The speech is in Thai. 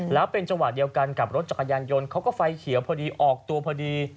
แล้วเป็นจังหวะเดียวกันกับรถจักรยานยนต์เขาก็ไฟเขียวพอดีออกตัวพอดี